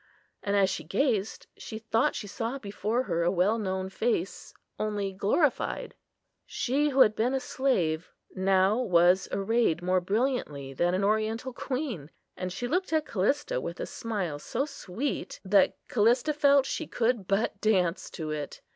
And as she gazed, she thought she saw before her a well known face, only glorified. She, who had been a slave, now was arrayed more brilliantly than an oriental queen; and she looked at Callista with a smile so sweet, that Callista felt she could but dance to it.